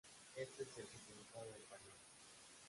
Ese es el significado del pañuelo.